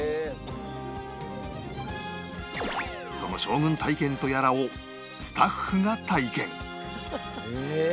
その将軍体験とやらをスタッフが体験